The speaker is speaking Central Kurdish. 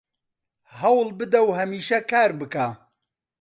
هەوڵ بدە و هەمیشە کار بکە